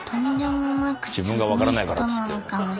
自分が分からないからっつって。